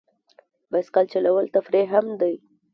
بایسکل چلول تفریح هم دی.